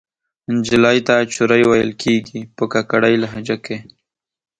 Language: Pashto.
نجلۍ ته چورۍ ویل کیږي په کاکړۍ لهجه کښې